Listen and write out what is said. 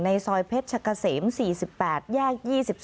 ในซอยเพชรเกษม๔๘แยก๒๒